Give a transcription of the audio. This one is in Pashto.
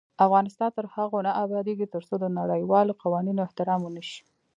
افغانستان تر هغو نه ابادیږي، ترڅو د نړیوالو قوانینو احترام ونشي.